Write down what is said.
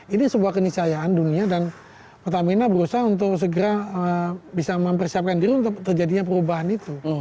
ini sebuah kenisayaan dunia dan pertamina berusaha untuk segera bisa mempersiapkan diri untuk terjadinya perubahan itu